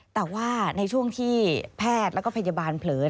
แต่ว่าในช่วงที่แพทย์แล้วก็พยาบาลเผลอ